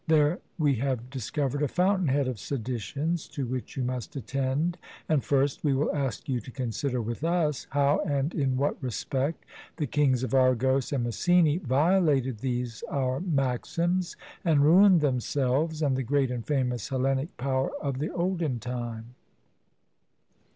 There we have discovered a fountain head of seditions, to which you must attend. And, first, we will ask you to consider with us, how and in what respect the kings of Argos and Messene violated these our maxims, and ruined themselves and the great and famous Hellenic power of the olden time.